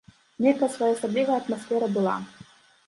Нейкая своеасаблівая атмасфера была.